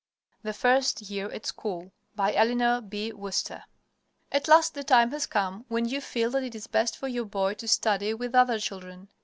THE FIRST YEAR AT SCHOOL BY ELEANOR B. WORCESTER At last the time has come when you feel that it is best for your boy to study with other children.